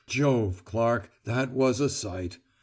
Jove, Clark, that was a sight.